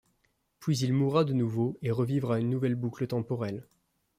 Puis il mourra de nouveau et revivra une nouvelle boucle temporelle.